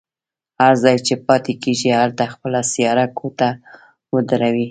هر ځای چې پاتې کېږي هلته خپله سیاره کوټه ودروي.